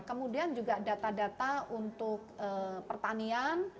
kemudian juga data data untuk pertanian